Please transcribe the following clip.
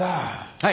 はい。